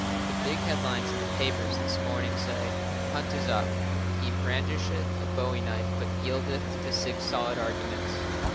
The big headlines in the papers this morning say, "The hunt is up. He brandisheth a bowie knife but yieldeth to six solid arguments.